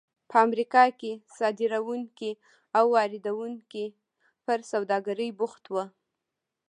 په امریکا کې صادروونکي او واردوونکي پر سوداګرۍ بوخت وو.